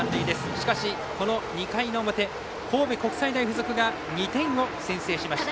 しかし、２回の表神戸国際大付属が２点を先制しました。